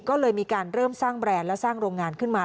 ก็เลยมีการเริ่มสร้างแบรนด์และสร้างโรงงานขึ้นมา